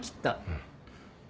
うん。